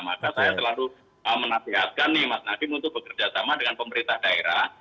maka saya selalu menasihatkan mas nabi untuk bekerja sama dengan pemerintah daerah